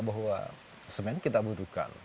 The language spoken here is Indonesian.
bahwa semen kita butuhkan